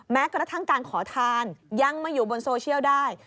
แม้กระทั่งการขอทานยังมาอยู่บนโซเชียลได้